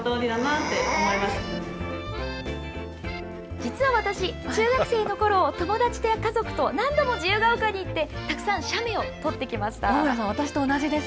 実は私、中学生のころ、友達や家族と何度も自由が丘に行って、たくさん写メを撮ってきま小村さん、私と同じです。